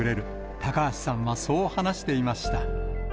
高橋さんはそう話していました。